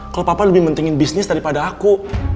kalau papa lebih pentingin bisnis daripada aku